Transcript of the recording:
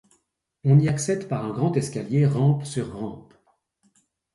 On y accède par un grand escalier rampe-sur-rampe.